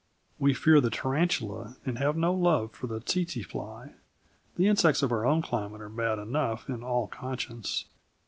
We fear the tarantula and have no love for the tse tse fly. The insects of our own climate are bad enough in all conscience.